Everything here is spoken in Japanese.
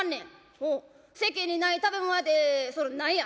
「おお世間にない食べ物屋ってそれ何や？」。